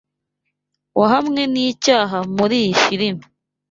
wahamwe nicyaha muriyi filime